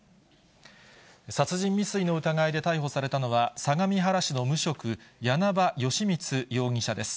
殺人未遂の疑いで逮捕されたのは、相模原市の無職、簗場善光容疑者です。